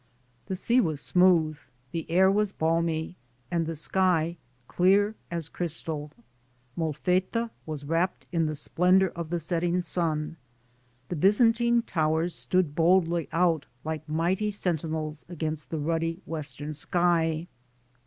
The sea was smooth, the air was balmy, the sky clear as crystal, Molfetta was AMERICA 55 wrapped in the splendor of the setting sun. The Byzantine towers stood boldly out like mighty senti nels against the ruddy, western sky.